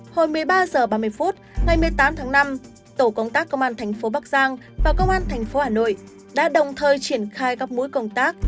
hồi một mươi ba h ba mươi phút ngày một mươi tám tháng năm tổ công tác công an thành phố bắc giang và công an tp hà nội đã đồng thời triển khai các mũi công tác